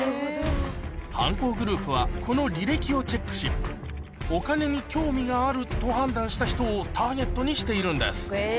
犯行グループはこのお金に興味があると判断した人をターゲットにしているんです